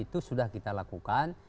apa yang sudah kita lakukan